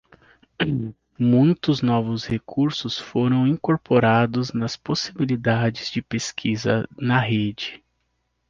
Muitos novos recursos foram incorporados nas possibilidades de pesquisa na rede.